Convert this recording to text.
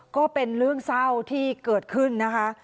ก็เป็นเรื่องเศร้าที่เกิดขึ้นนะคะ